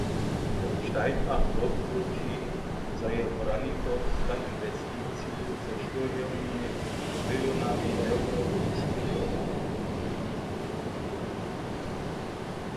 Jörg Steinbach wobkrući, zo je Braniborska inwesticiju ze štyrjomi milionami eurow spěchowała.